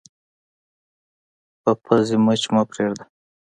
په پوزې مچ مه پرېږده